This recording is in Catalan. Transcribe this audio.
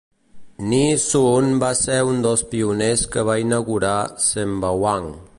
Nee Soon va ser un dels pioners que va inaugurar Sembawang.